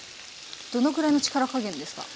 どのぐらいの力加減ですか？